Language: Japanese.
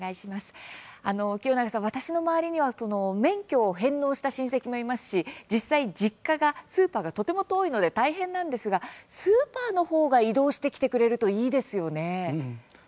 清永さん、私の周りには免許を返納した親戚もいますし実際スーパーからとても遠いので大変なんですがスーパーのほうが移動してきてくれるといいですよね。